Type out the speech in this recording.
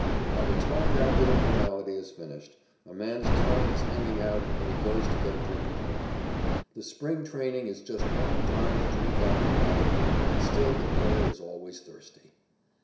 By the time that little formality is finished, a man's tongue is hanging out and he goes to get a drink of water. The spring training is just one darned drink after another and still the player is always thirsty.